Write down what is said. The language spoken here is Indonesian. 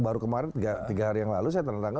baru kemarin tiga hari yang lalu saya tonton tonton